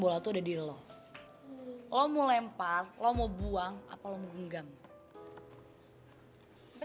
bola tuh udah diri lo lo mau lempar lo mau buang apa lo menggenggam bener